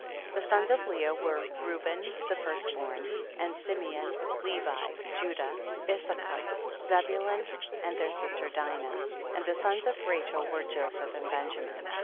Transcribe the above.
17. The sons of Leah ivere Reu ben the first born, and Simeon, Levi, Judah, Issachar, Zebulun, and their sister Dinah ; and the sons of Rachel were Joseph and Benjamin.